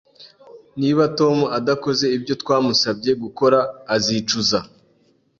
Niba Tom adakoze ibyo twamusabye gukora, azicuza